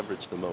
và các thành phố